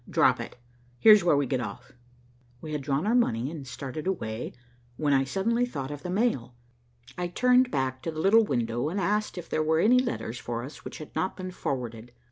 "Drop it. Here's where we get off." We had drawn our money and had started away, when I suddenly thought of the mail. I turned back to the little window and asked if there were any letters for us which had not been forwarded.